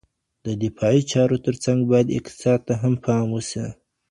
دفاعي چارو ترڅنګ بايد اقتصاد ته هم پام وسي.